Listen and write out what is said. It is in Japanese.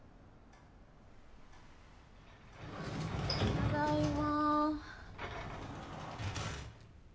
ただいま。